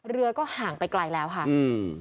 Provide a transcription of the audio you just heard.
เรือก็ห่างไปไกลแล้วค่ะอืม